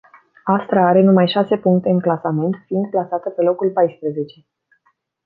Astra are numai șase puncte în clasament, fiind plasată pe locul paisprezece.